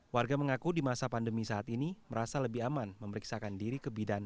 warga mengaku di masa pandemi saat ini merasa lebih aman memeriksakan diri ke bidan